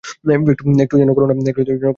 একটু যেন করুণা হল বুড়োটার জন্যে।